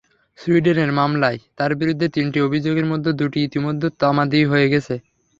সুইডেনের মামলায় তাঁর বিরুদ্ধে তিনটি অভিযোগের মধ্যে দুটি ইতিমধ্যে তামাদি হয়ে গেছে।